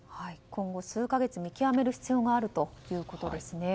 今後、数か月、見極める必要があるということですね。